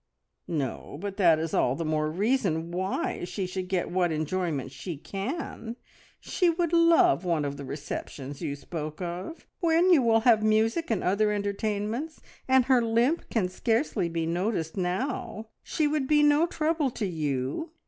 "No, but that is all the more reason why she should get what enjoyment she can. She would love one of the receptions you spoke of, when you will have music and other entertainments, and her limp can scarcely be noticed now. She would be no trouble to you.